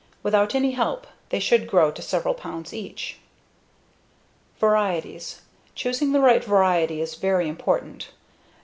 Without any help they should grow to several pounds each. Varieties: Choosing the right variety is very important.